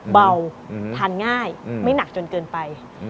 เบาทานง่ายไม่หนักจนเกินไป